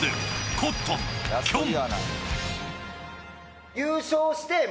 コットン・きょん。